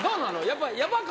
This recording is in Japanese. やっぱり。